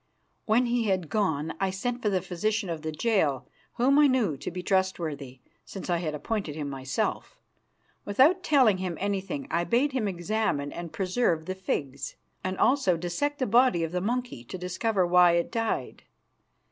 When he had gone, I sent for the physician of the jail, whom I knew to be trustworthy, since I had appointed him myself. Without telling him anything, I bade him examine and preserve the figs, and also dissect the body of the monkey to discover why it died.